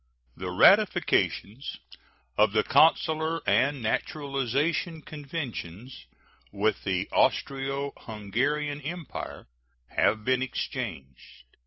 The ratifications of the consular and naturalization conventions with the Austro Hungarian Empire have been exchanged.